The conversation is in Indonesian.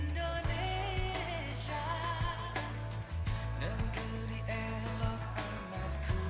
tuhan di atasku